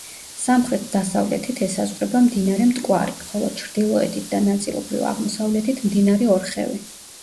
სამხრეთ-დასავლეთით ესაზღვრება მდინარე მტკვარი, ხოლო ჩრდილოეთით და ნაწილობრივ აღმოსავლეთით მდინარე ორხევი.